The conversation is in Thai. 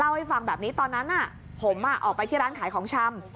ให้ฟังแบบนี้ตอนนั้นผมออกไปที่ร้านขายของชำ